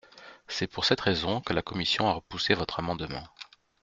C’est pour cette raison que la commission a repoussé votre amendement.